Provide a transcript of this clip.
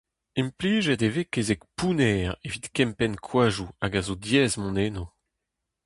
Implijet e vez kezeg pounner evit kempenn koadoù hag a zo diaes mont enno.